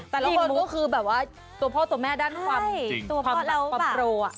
แต่ละคนก็คือแบบว่าตัวพ่อตัวแม่ด้านความโปร